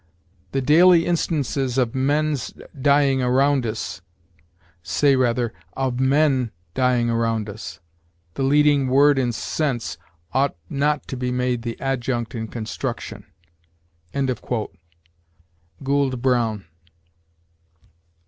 'The daily instances of men's dying around us.' Say rather, 'Of men dying around us.' The leading word in sense ought not to be made the adjunct in construction." Goold Brown.